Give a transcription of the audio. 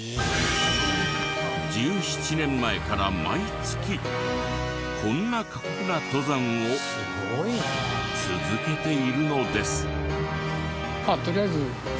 １７年前から毎月こんな過酷な登山を続けているのです。